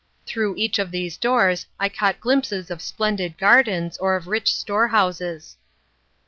Through each of these doors I caught glimpses of splendid gardens or of rich storehouses.